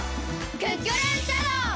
クックルンシャドー！